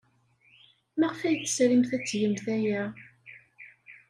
Maɣef ay tesrimt ad tgemt aya?